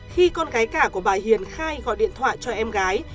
khi con gái cả của bà hiền khai gọi điện thoại cho em gái